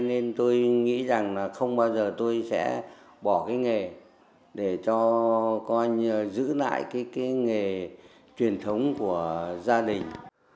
nên tôi nghĩ rằng là không bao giờ tôi sẽ bỏ cái nghề để cho con giữ lại cái nghề truyền thống của gia đình